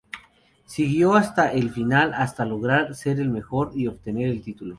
Siguió hasta el final hasta lograr ser la mejor y obtener el título.